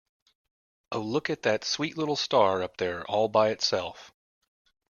Oh, look at that sweet little star up there all by itself.